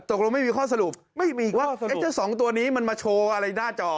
เราไม่มีข้อสรุปไม่มีอีกว่าไอ้เจ้าสองตัวนี้มันมาโชว์อะไรหน้าจอ